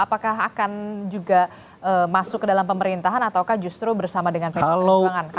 apakah akan juga masuk ke dalam pemerintahan ataukah justru bersama dengan pdi perjuangan